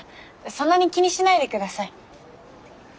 そんなに気にしないで下さい。